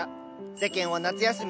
世間は夏休み。